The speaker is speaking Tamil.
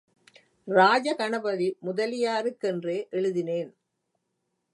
ராஜகணபதி முதலியாருக்கென்றே எழுதினேன்.